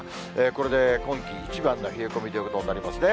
これで今季一番の冷え込みということになりますね。